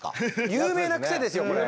有名なクセですよこれ。